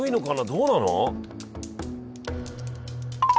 どうなの？